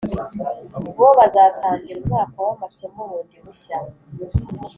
bo bazatangira umwaka w’amasomo bundi bushya